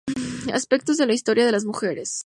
Aspectos de la historia de las mujeres".